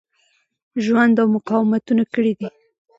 ژوند او مقاومتونه کړي دي.